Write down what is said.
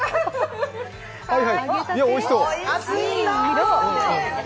おいしそう。